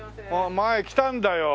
前来たんだよ。